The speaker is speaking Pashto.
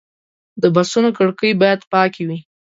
د بسونو کړکۍ باید پاکې وي.